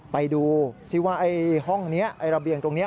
ไปดูซิว่าไอ้ห้องนี้ไอ้ระเบียงตรงนี้